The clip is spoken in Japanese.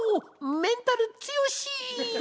メンタルつよし！